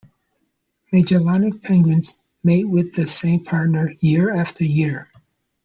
Magellanic penguins mate with the same partner year after year.